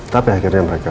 tapi akhirnya mereka